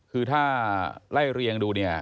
คือถ้าไล่เรียงดูเนี่ย